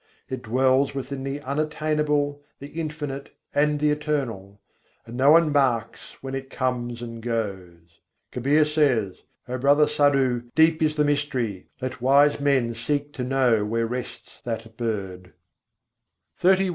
It dwells within the Unattainable, the Infinite, and the Eternal; and no one marks when it comes and goes. Kabîr says: "O brother Sadhu! deep is the mystery. Let wise men seek to know where rests that bird." XXXI II.